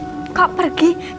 dan keberadaan veya pemerintah lagi